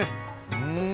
うん！